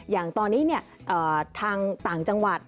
อย่างตอนนี้ทางต่างจังหวัด